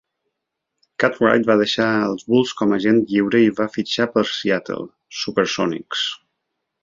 Cartwright va deixar els Bulls com agent lliure i va fitxar pels Seattle SuperSonics.